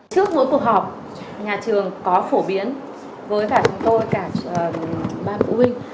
trước mỗi cuộc họp nhà trường có phổ biến với cả chúng tôi cả ba phụ huynh